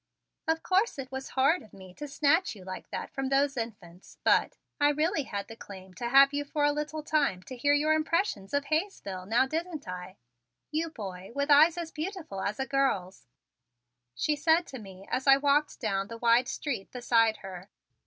"Of course, it was horrid of me to snatch you like that from those infants, but I really had the claim to have you for a little time to hear your impressions of Hayesville, now, didn't I? you boy with eyes as beautiful as a girl's!" she said to me as I walked down the wide street beside her.